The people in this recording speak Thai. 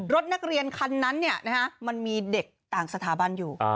รถนักเรียนคันนั้นมันมีเด็กต่างสถาบันอยู่